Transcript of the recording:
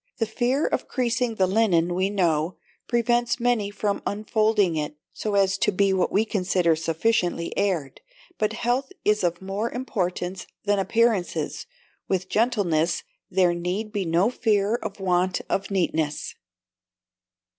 The fear of creasing the linen, we know, prevents many from unfolding it, so as to be what we consider sufficiently aired: but health is of more importance than appearances; with gentleness there need be no fear of want of neatness.